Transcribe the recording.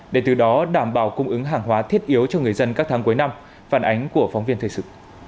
để từ đó đảm bảo cung ứng hàng hóa thiết yếu cho người dân các tháng cuối năm phản ánh của phóng viên thời sự